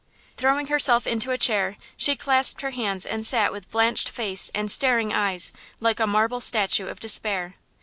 Throwing herself into a chair, she clasped her hands and sat with blanched face and staring eyes, like a marble statue of despair.